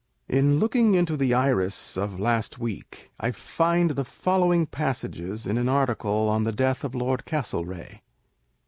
In looking into the Iris of last week, I find the following passages, in an article on the death of Lord Castlereagh.